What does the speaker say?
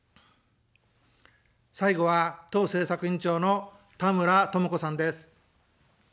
最後は党政策委員長の田村智子さんです。